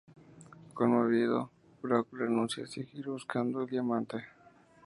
Conmovido, Brock renuncia a seguir buscando el diamante.